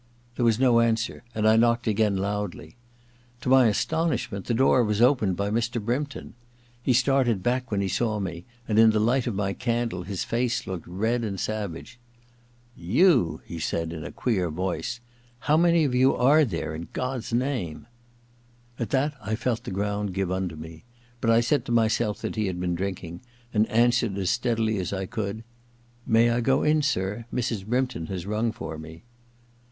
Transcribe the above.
There was no answer, and I knocked again, loudly. To my astonishment the door was opened by Mr. Brympton. He started back when he saw me, and in the light of my candle his face looked red and savage. * Tou ?* he said, in a queer voice. * How many of you are therCy in God's name ?' At that I felt the ground give under me ; but I said to myself that he had been drinking, and answered as steadily as I could :^ May I go in, sir? Mrs. Brympton has rung for me.'